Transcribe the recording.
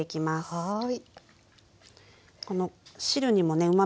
はい。